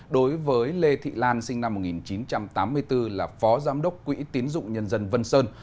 đối với lê thị lan sinh năm một nghìn chín trăm tám mươi bốn là phó giám đốc quỹ tiến dụng nhân dân vân sơn